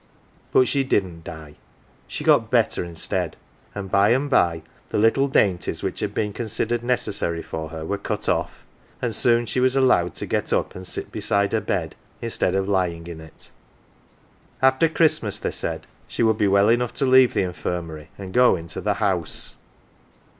But she didn't die ; she got better instead. And by and bye the little dainties which had been considered necessary for her were cut off, and soon she was allowed to get up and sit 155 AUNT JINNY beside her bed, instead of lying in it. After Christmas, they said, she would be well enough to leave the Infirmary and go into "the House.""